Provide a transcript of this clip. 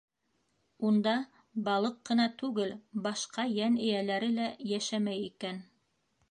Унда балыҡ ҡына түгел, башҡа йән эйәләре лә йәшәмәй икән.